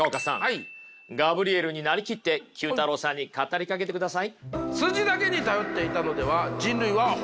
ガブリエルに成りきって９太郎さんに語りかけてください。